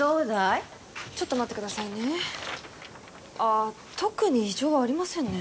あ特に異常はありませんね。